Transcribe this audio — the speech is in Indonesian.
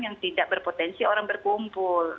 yang tidak berpotensi orang berkumpul